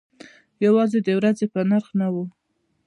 یوازې د ورځې په نرخ نه و.